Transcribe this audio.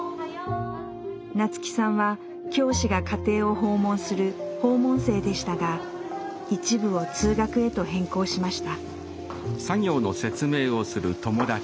那月さんは教師が家庭を訪問する「訪問生」でしたが一部を「通学」へと変更しました。